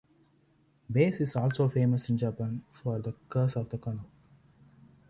Bass is also famous in Japan for the "Curse of the Colonel".